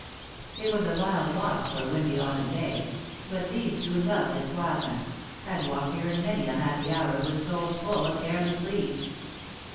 It was a wild walk for a windy autumn day ; but these two loved its wildness — had walked here in many a happy hour, with souls full of careless glee.